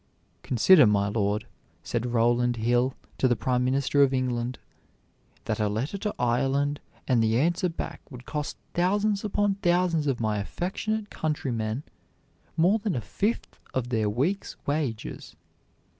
"Consider, my lord," said Rowland Hill to the Prime Minister of England, "that a letter to Ireland and the answer back would cost thousands upon thousands of my affectionate countrymen more than a fifth of their week's wages.